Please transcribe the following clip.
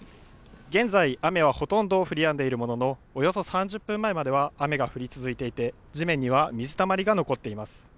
現在、雨はほとんど降りやんでいるもののおよそ３０分前までは雨が降り続いていて、地面には水たまりが残っています。